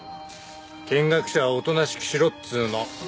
見学者はおとなしくしてろっつーの。